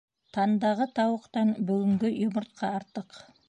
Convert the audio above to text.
Тандағы тауыҡтан бөгөнгө йомортҡа артыҡ.